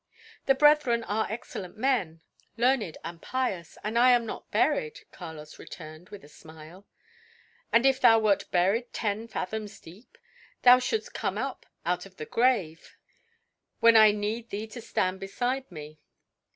"The brethren are excellent men, learned and pious. And I am not buried," Carlos returned with a smile. "And if thou wert buried ten fathoms deep, thou shouldst come up out of the grave when I need thee to stand beside me."